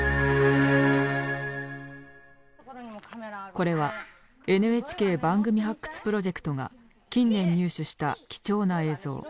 これはＮＨＫ番組発掘プロジェクトが近年入手した貴重な映像。